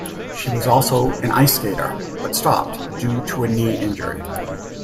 She was also an ice skater, but stopped due to a knee injury.